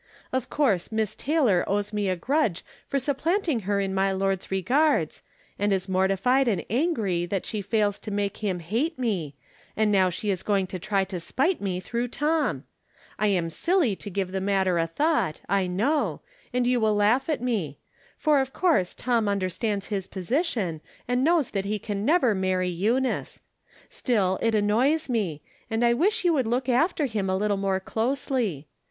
Of course Miss Taylor owes me a grudge for supplanting her in my lord's regards, and is mor tified and angry that she fails to make him hate me, and now she is going to try to spite me through Tom. I am sUly to give the matter a 238 From Different Standpoints. thought, I know, and j'ou will laugh at me ; for of course Tom understands his position, and knows that he can never marry Eunice. Still, it annoys me, and I wish you would look after him a little more closely.